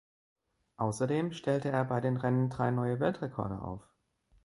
Außerdem stellte er bei den Rennen drei neue Weltrekorde auf.